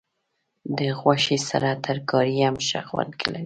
د غوښې سره ترکاري هم ښه خوند لري.